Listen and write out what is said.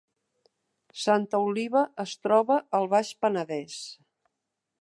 Santa Oliva es troba al Baix Penedès